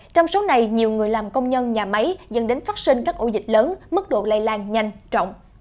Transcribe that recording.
trong số này nhiều người làm công nhân nhà máy dẫn đến phát sinh các ổ dịch lớn mức độ lây lan nhanh chóng